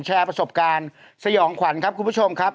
แชร์ประสบการณ์สยองขวัญครับคุณผู้ชมครับ